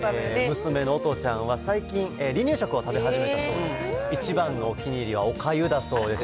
娘のおとちゃんは、最近、離乳食を食べ始めたそうで、一番のお気に入りはおかゆだそうです。